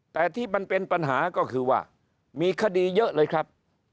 แต่ที่มันเป็นปัญหาก็คือว่ามีคดีเยอะเลยครับ